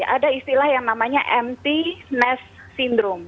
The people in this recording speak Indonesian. ada istilah yang namanya empty nest syndrome